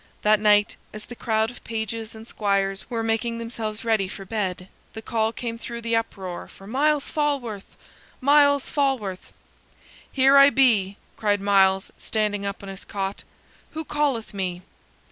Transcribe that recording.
That night, as the crowd of pages and squires were making themselves ready for bed, the call came through the uproar for "Myles Falworth! Myles Falworth!" "Here I be," cried Myles, standing up on his cot. "Who calleth me?"